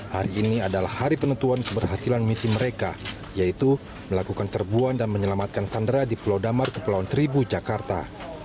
hari ini adalah hari penentuan keberhasilan misi mereka yaitu melakukan serbuan dan menyelamatkan sandera di pulau damar kepulauan seribu jakarta